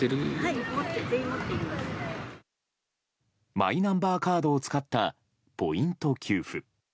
マイナンバーカードを使ったポイント給付。